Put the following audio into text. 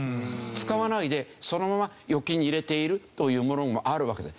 使わないでそのまま預金に入れているというものもあるわけで。